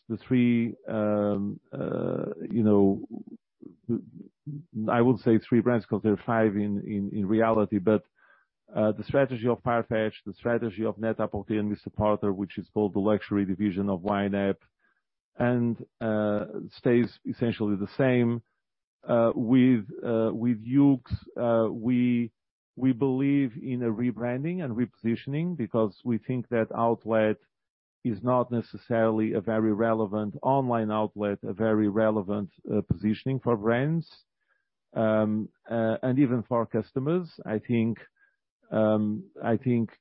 I won't say three brands because they're five in reality. The strategy of Farfetch, the strategy of NET-A-PORTER and MR PORTER, which is both the luxury division of YNAP, and stays essentially the same. With YOOX, we believe in a rebranding and repositioning because we think that outlet is not necessarily a very relevant online outlet, a very relevant positioning for brands. Even for our customers, I think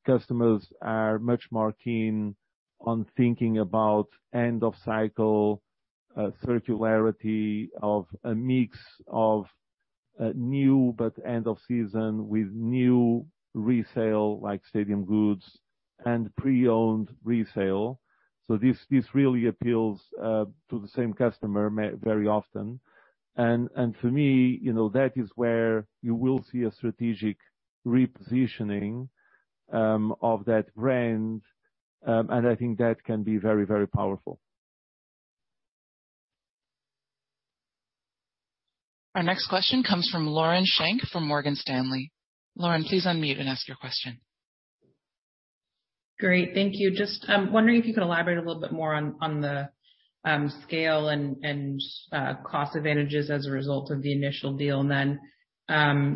customers are much more keen on thinking about end of cycle, circularity of a mix of new but end of season with new resale like Stadium Goods and pre-owned resale. This really appeals to the same customer maybe very often. For me, you know, that is where you will see a strategic repositioning of that brand. I think that can be very powerful. Our next question comes from Lauren Schenk from Morgan Stanley. Lauren, please unmute and ask your question. Great. Thank you. Just wondering if you could elaborate a little bit more on the scale and cost advantages as a result of the initial deal. Then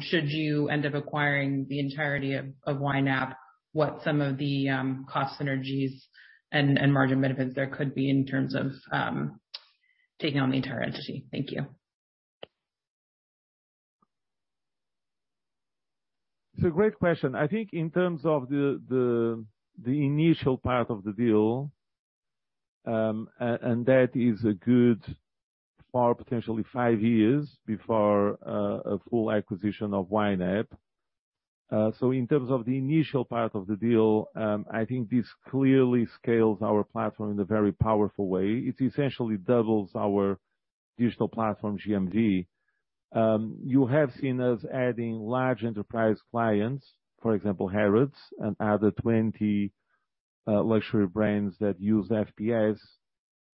should you end up acquiring the entirety of YNAP, what some of the cost synergies and margin benefits there could be in terms of taking on the entire entity? Thank you. It's a great question. I think in terms of the initial part of the deal, and that is a good four, potentially five years before a full acquisition of YNAP. In terms of the initial part of the deal, I think this clearly scales our platform in a very powerful way. It essentially doubles our digital platform GMV. You have seen us adding large enterprise clients, for example, Harrods and other 20 luxury brands that use FPS.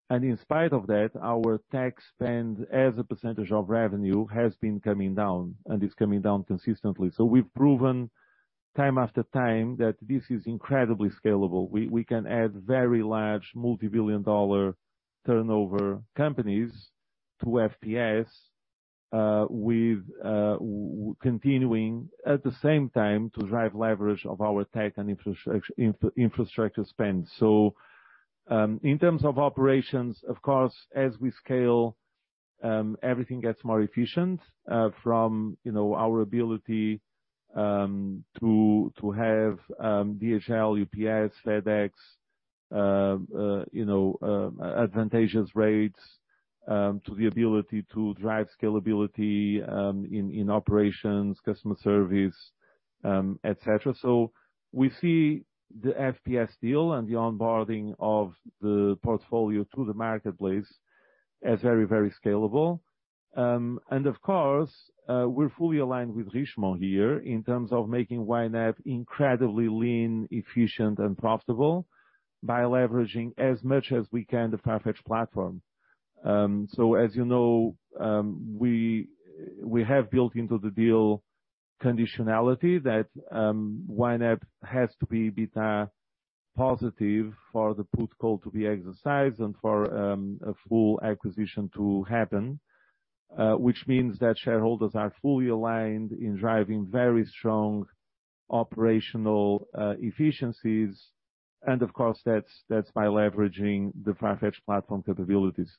In spite of that, our tech spend as a percentage of revenue has been coming down, and it's coming down consistently. We've proven time after time that this is incredibly scalable. We can add very large multi-billion dollar turnover companies to FPS, with continuing at the same time to drive leverage of our tech and infrastructure spend. In terms of operations, of course, as we scale, everything gets more efficient, from you know our ability to have DHL, UPS, FedEx advantageous rates, to the ability to drive scalability in operations, customer service, etc. We see the FPS deal and the onboarding of the portfolio to the marketplace as very, very scalable. Of course, we're fully aligned with Richemont here in terms of making YNAP incredibly lean, efficient and profitable by leveraging as much as we can the Farfetch platform. As you know, we have built into the deal conditionality that YNAP has to be EBITDA positive for the put call to be exercised and for a full acquisition to happen, which means that shareholders are fully aligned in driving very strong operational efficiencies. Of course, that's by leveraging the Farfetch platform capabilities.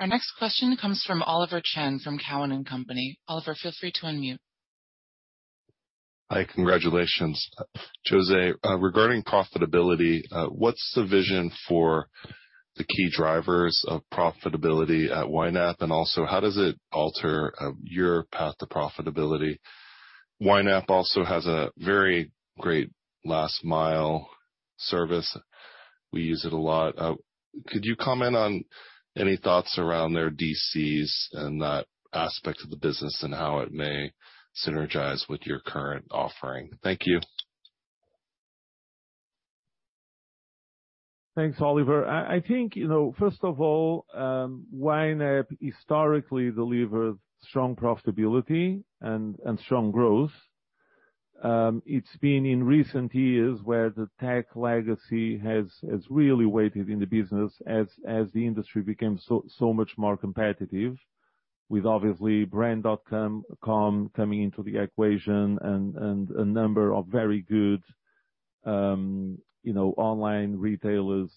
Our next question comes from Oliver Chen from TD Cowen. Oliver, feel free to unmute. Hi. Congratulations. José, regarding profitability, what's the vision for the key drivers of profitability at YNAP? How does it alter your path to profitability? YNAP also has a very great last mile service. We use it a lot. Could you comment on any thoughts around their DCs and that aspect of the business and how it may synergize with your current offering? Thank you. Thanks, Oliver. I think, you know, first of all, YNAP historically delivered strong profitability and strong growth. It's been in recent years where the tech legacy has really weighed in the business as the industry became so much more competitive with obviously brand.com coming into the equation and a number of very good, you know, online retailers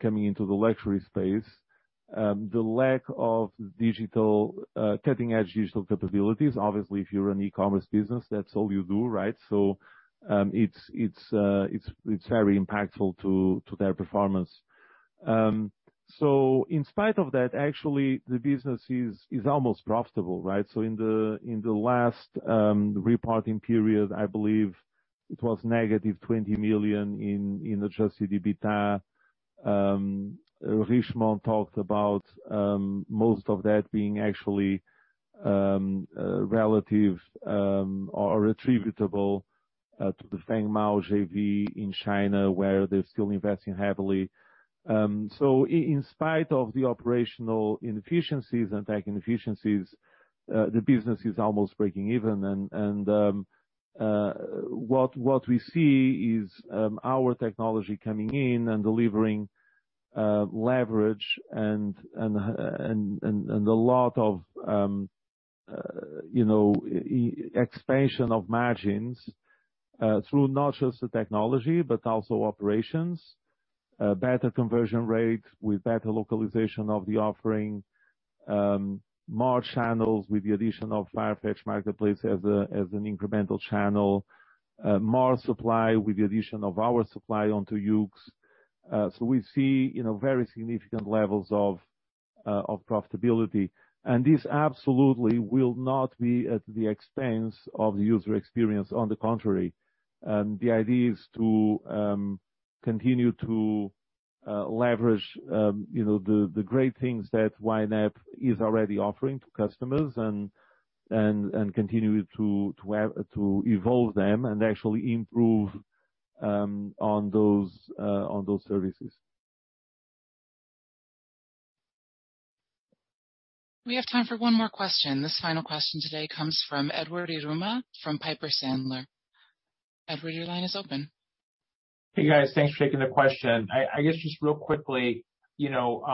coming into the luxury space. The lack of cutting-edge digital capabilities. Obviously, if you're an e-commerce business, that's all you do, right? It's very impactful to their performance. In spite of that, actually the business is almost profitable, right? In the last reporting period, I believe it was $-20 million in adjusted EBITDA. Richemont talked about most of that being actually relevant or attributable to the Feng Mao JV in China, where they're still investing heavily. In spite of the operational inefficiencies and tech inefficiencies, the business is almost breaking even. What we see is our technology coming in and delivering leverage and a lot of, you know, expansion of margins through not just the technology but also operations. Better conversion rates with better localization of the offering. More channels with the addition of Farfetch Marketplace as an incremental channel. More supply with the addition of our supply onto YOOX. We see, you know, very significant levels of profitability. This absolutely will not be at the expense of the user experience. On the contrary, the idea is to continue to leverage, you know, the great things that YNAP is already offering to customers and continue to evolve them and actually improve on those services. We have time for one more question. This final question today comes from Edward Yruma from Piper Sandler. Edward, your line is open. Hey, guys. Thanks for taking the question. I guess just real quickly, you know,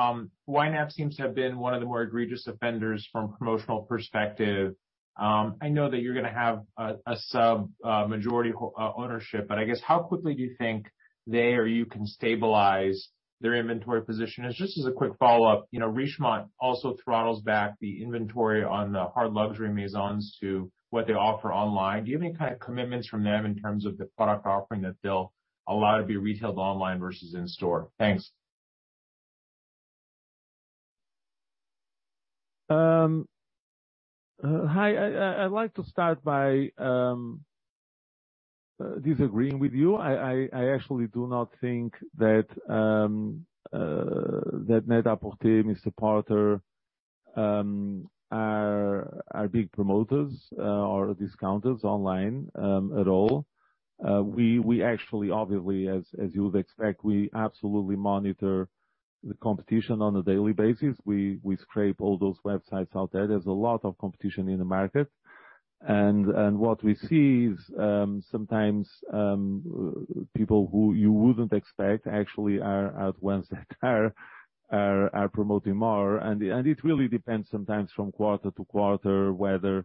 YNAP seems to have been one of the more egregious offenders from a promotional perspective. I know that you're gonna have a sub majority ownership, but I guess how quickly do you think they or you can stabilize their inventory position? Just as a quick follow-up, you know, Richemont also throttles back the inventory on the hard luxury Maisons to what they offer online. Do you have any kind of commitments from them in terms of the product offering that they'll allow to be retailed online versus in-store? Thanks. Hi. I'd like to start by disagreeing with you. I actually do not think that NET-A-PORTER, MR PORTER are big promoters or discounters online at all. We actually obviously as you would expect, we absolutely monitor the competition on a daily basis. We scrape all those websites out there. There's a lot of competition in the market. What we see is sometimes people who you wouldn't expect actually are at one sector are promoting more. It really depends sometimes from quarter-to-quarter whether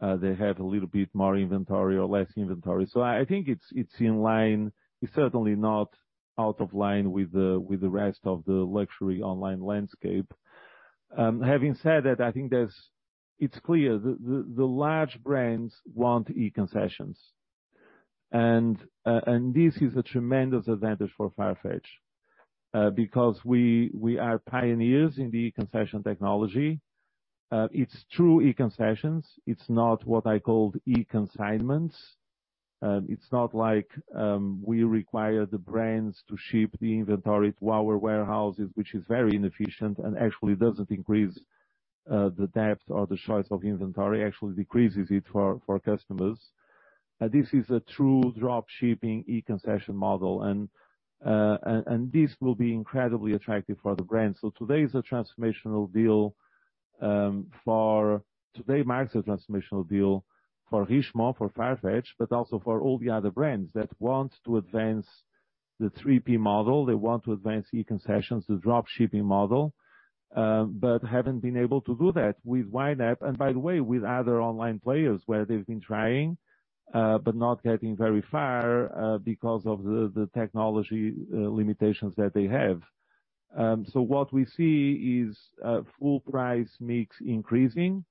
they have a little bit more inventory or less inventory. I think it's in line. It's certainly not out of line with the rest of the luxury online landscape. Having said that, I think it's clear the large brands want e-concessions. This is a tremendous advantage for Farfetch because we are pioneers in the e-concession technology. It's true e-concessions. It's not what I call e-consignments. It's not like we require the brands to ship the inventory to our warehouses, which is very inefficient and actually doesn't increase the depth or the choice of inventory. Actually decreases it for customers. This is a true dropshipping e-concession model. This will be incredibly attractive for the brands. Today marks a transformational deal for Richemont, for Farfetch, but also for all the other brands that want to advance the 3P model. They want to advance e-concessions, the dropshipping model, but haven't been able to do that with YNAP and by the way, with other online players where they've been trying, but not getting very far, because of the technology limitations that they have. What we see is full price mix increasing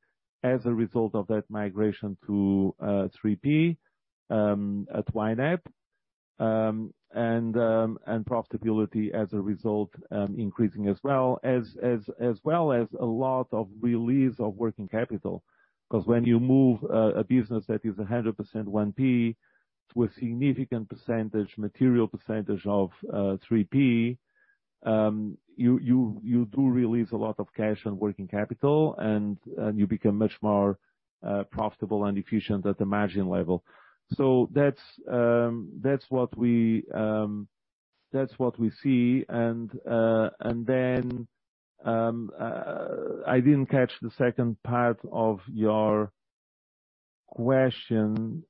as a result of that migration to 3P at YNAP. Profitability as a result increasing as well as a lot of release of working capital. 'Cause when you move a business that is 100% 1P to a significant percentage, material percentage of 3P, you do release a lot of cash and working capital and you become much more profitable and efficient at the margin level. That's what we see. I didn't catch the second part of your question.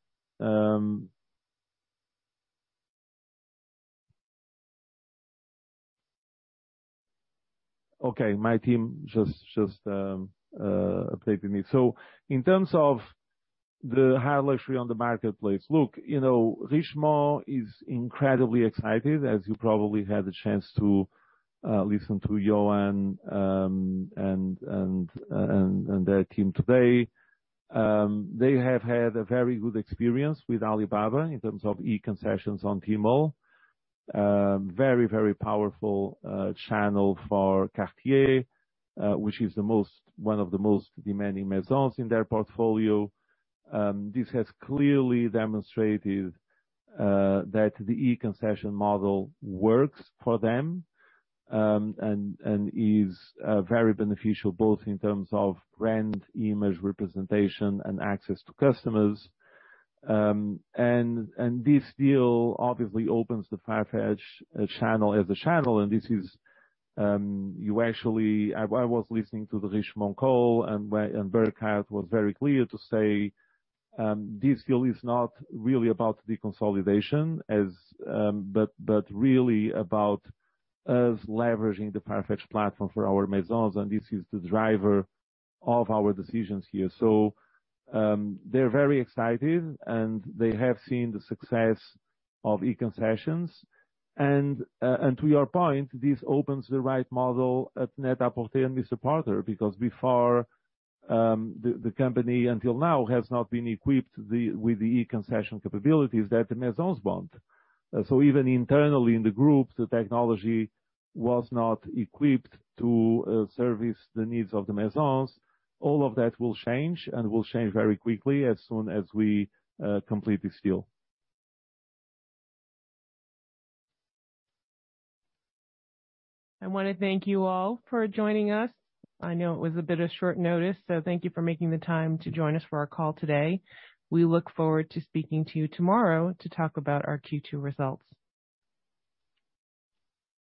Okay, my team just updated me. In terms of the high luxury on the marketplace, look, you know, Richemont is incredibly excited, as you probably had the chance to listen to Johann and their team today. They have had a very good experience with Alibaba in terms of e-concessions on Tmall. Very powerful channel for Cartier, which is one of the most demanding maisons in their portfolio. This has clearly demonstrated that the e-concession model works for them and is very beneficial both in terms of brand image representation and access to customers. This deal obviously opens the Farfetch channel as a channel, and this is. I was listening to the Richemont call and Burckhardt was very clear to say this deal is not really about the consolidation, but really about us leveraging the Farfetch platform for our maisons, and this is the driver of our decisions here. They're very excited, and they have seen the success of e-concessions. To your point, this opens the right model at NET-A-PORTER and MR PORTER, because before the company until now has not been equipped with the e-concession capabilities that the maisons want. Even internally in the group, the technology was not equipped to service the needs of the maisons. All of that will change very quickly as soon as we complete this deal. I wanna thank you all for joining us. I know it was a bit of short notice, so thank you for making the time to join us for our call today. We look forward to speaking to you tomorrow to talk about our Q2 results.